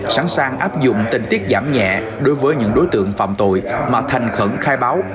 sẵn sàng áp dụng tình tiết giảm nhẹ đối với những đối tượng phạm tội mà thành khẩn khai báo